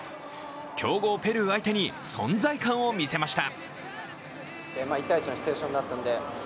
強豪・ペルー相手に存在感を見せました。